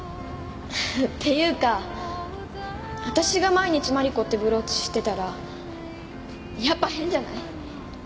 っていうか私が毎日「Ｍａｒｉｃｏ」ってブローチしてたらやっぱ変じゃない？